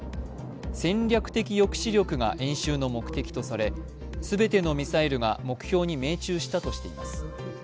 戦略的抑止力が、演習の目的とされ全てのミサイルが目標に命中したとしています。